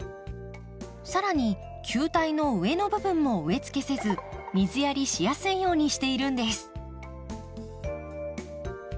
更に球体の上の部分も植えつけせず水やりしやすいようにしているんです。